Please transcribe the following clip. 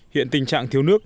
hiện tình trạng thiếu nước